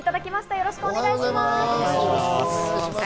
よろしくお願いします。